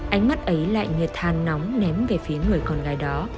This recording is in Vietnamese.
ánh mắt ấy lại như thàn nóng ném về phía